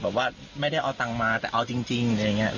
แบบว่าไม่ได้เอาตังมาแต่เอาจริง